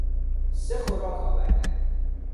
سه خوراک آوردند